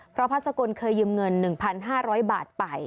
พระสกลเคยยืมเงิน๑๕๐๐บาทไป